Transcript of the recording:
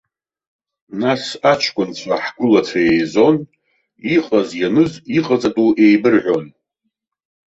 Нас аҷкәынцәа, ҳгәылацәа еизон, иҟаз, ианыз, иҟаҵатәу еибырҳәон.